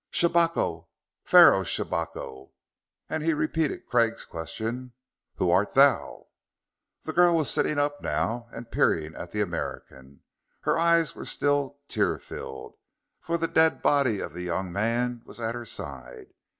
"Shabako Pharaoh Shabako!" And he repeated Craig's question: "Who art thou?" The girl was sitting up now, and peering at the American. Her eyes were still tear filled, for the dead body of the young man was at her side.